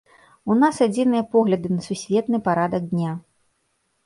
У нас адзіныя погляды на сусветны парадак дня.